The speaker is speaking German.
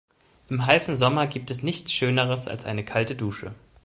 Im heißen Sommer gibt es nichts schöneres als eine kalte Dusche.